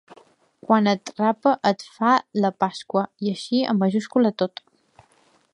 Quan et Rapa et fa la Pasqua, així en majúscula tot.